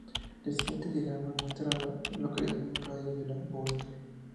El siguiente diagrama muestra a las localidades en un radio de de Boulder.